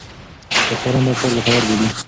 ډاکټران دا کار ګټور بولي.